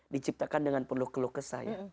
diciptakan dengan peluk peluk kesah ya